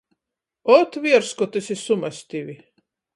Ot, vierskotys i sumastivi!